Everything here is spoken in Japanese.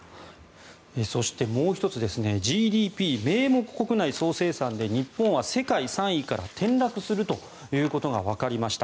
そして、もう１つＧＤＰ・名目国内総生産で日本は世界３位から転落するということがわかりました。